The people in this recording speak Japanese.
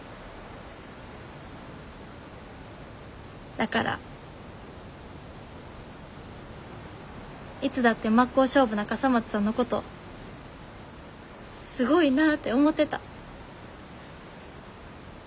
だからいつだって真っ向勝負な笠松さんのことすごいなぁって思ってた。